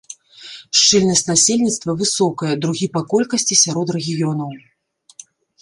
Шчыльнасць насельніцтва высокая, другі па колькасці сярод рэгіёнаў.